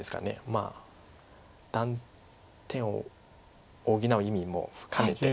まあ断点を補う意味も含めて。